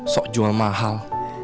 sok jual mahal